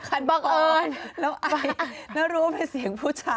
ขันบังเอิญแล้วไอน่ารู้ว่ามันเป็นเสียงผู้ชาย